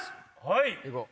はい！